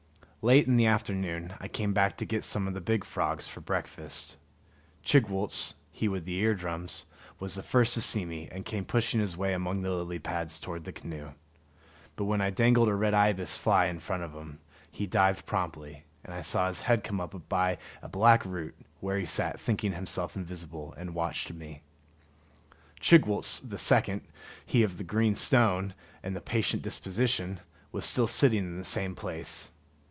Late in the afternoon I came back to get some of the big frogs for breakfast. Chigwooltz, he with the ear drums, was the first to see me, and came pushing his way among the lily pads toward the canoe. But when I dangled a red ibis fly in front of him, he dived promptly, and I saw his head come up by a black root, where he sat, thinking himself invisible, and watched me. Chigwooltz the second, he of the green stone and the patient disposition, was still sitting in the same place.